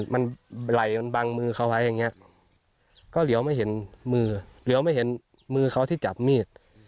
มันไหลอยู่บังมือเขาไว้แบบนี้ก็เหลียวไม่เห็นมือที่จับมีด